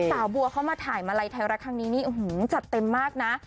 สาวบัวเข้ามาถ่ายมาลัยไทยรัฐครั้งนี้นี่จัดเต็มมากนะ